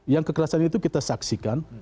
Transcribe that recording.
yang kekerasan itu kita saksikan